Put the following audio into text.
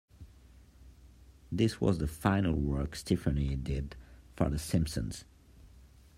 This was the final work Stefani did for "The Simpsons".